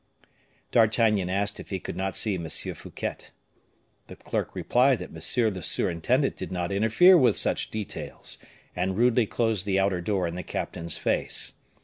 D'Artagnan asked if he could not see M. Fouquet. The clerk replied that M. le surintendant did not interfere with such details, and rudely closed the outer door in the captain's face.